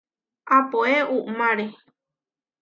Apoé uʼmáre.